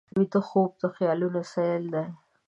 ویده خوب د خیالونو سیل دی